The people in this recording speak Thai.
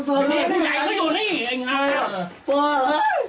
คุณใหญ่ก็อยู่นี่ใจเย็น